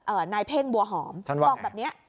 เอ่อนายเพ่งบัวหอมท่านบอกแบบเนี้ย